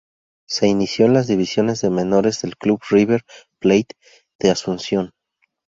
Se inició en las divisiones de menores del Club River Plate de Asunción.